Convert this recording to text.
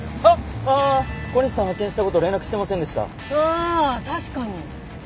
あ確かに。